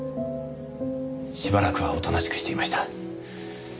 しばらくはおとなしくしていました。